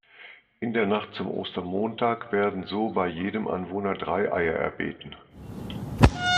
In der Nacht zum Ostermontag werden so bei jedem Anwohner drei Eier erbeten.